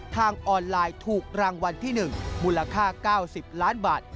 ทางออนไลน์ถูกรางวัลที่๑มูลค่า๙๐ล้านบาท